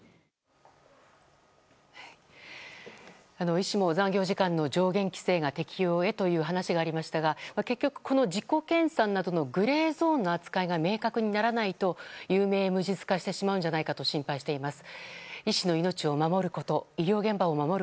医師も、残業時間の上限規制が適用へという話がありましたが結局この自己研鑽などのグレーゾーンの扱いが明確にならないと有名無実化してしまうと心配しています。